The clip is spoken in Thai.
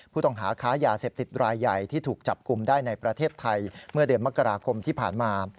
ผู้ต้องหาค้ายาเสพติดรายใหญ่ที่ถูกจับกลุ่มได้ในประเทศไทยเมื่อเดือนมกราคมที่ผ่านมา